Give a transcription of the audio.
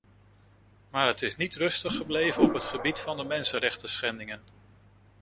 Maar het is niet rustig gebleven op het gebied van de mensenrechtenschendingen.